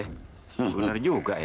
bener juga ya